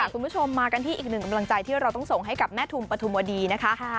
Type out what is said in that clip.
คุณผู้ชมมากันที่อีกหนึ่งกำลังใจที่เราต้องส่งให้กับแม่ทุมปฐุมวดีนะคะ